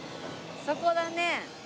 あそこだね。